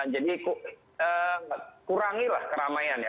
jadi kurangilah keramaian ya